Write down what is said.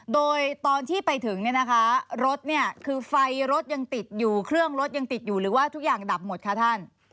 โดยตอนที่ไปถึงรถคือไฟรถยังติดอยู่เครื่องรถยังติดอยู่หรือว่าทุกอย่างดับหมดคะ